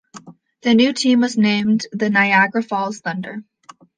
The new team was named the Niagara Falls Thunder.